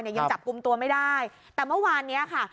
ยังจับกลุ่มตัวไม่ได้แต่เมื่อวานเนี้ยค่ะ